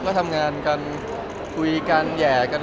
ก็ทำงานกันคุยกันแห่กัน